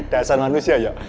dasar manusia ya